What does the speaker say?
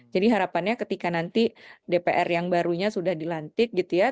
jadi harapannya ketika nanti dpr yang barunya sudah dilantik gitu ya